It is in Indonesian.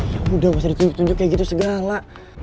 ya udah bisa ditunjuk tunjuk kayak gitu segala